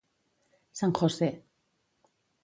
San José.